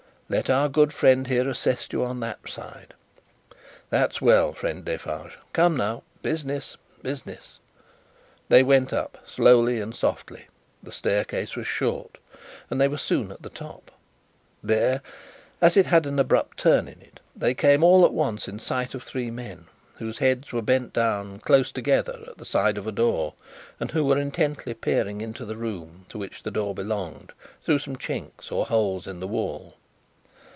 Let our good friend here, assist you on that side. That's well, friend Defarge. Come, now. Business, business!" They went up slowly and softly. The staircase was short, and they were soon at the top. There, as it had an abrupt turn in it, they came all at once in sight of three men, whose heads were bent down close together at the side of a door, and who were intently looking into the room to which the door belonged, through some chinks or holes in the wall.